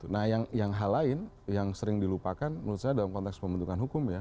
nah yang hal lain yang sering dilupakan menurut saya dalam konteks pembentukan hukum ya